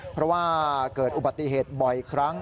เพราะว่าเกิดอุบัติเหตุบ่อยครั้ง